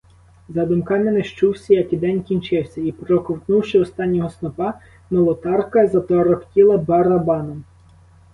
За думками незчувся, як і день кінчився, і, проковтнувши останнього снопа, молотарка заторохтіла барабаном.